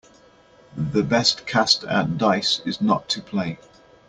The best cast at dice is not to play.